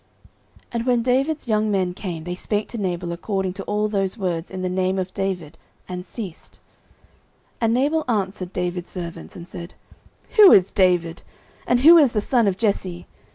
09:025:009 And when David's young men came, they spake to Nabal according to all those words in the name of David, and ceased. 09:025:010 And Nabal answered David's servants, and said, Who is David? and who is the son of Jesse?